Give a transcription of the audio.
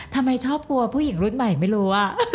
ทำไมชอบกลัวผู้หญิงรุ่นใหม่ไม่รู้